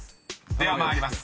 ［では参ります］